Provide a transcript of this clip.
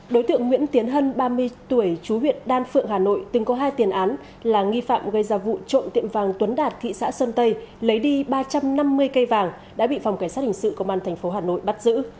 đối tượng nguyễn tiến hân ba mươi tuổi chú huyện đan phượng hà nội từng có hai tiền án là nghi phạm gây ra vụ trộm tiệm vàng tuấn đạt thị xã sơn tây lấy đi ba trăm năm mươi cây vàng đã bị phòng cảnh sát hình sự công an tp hà nội bắt giữ